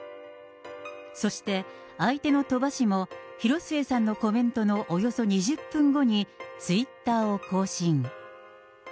そして、相手の鳥羽氏も、広末さんのコメントのおよそ２０分後にツイッターを更新。